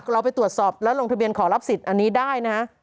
เราไปตรวจสอบแล้วลงทะเบียนขอรับสิทธิ์อันนี้ได้นะฮะ